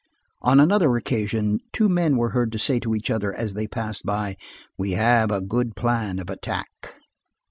On another occasion two men were heard to say to each other as they passed by: "We have a good plan of attack."